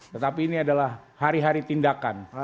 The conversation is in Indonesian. tetapi ini adalah hari hari tindakan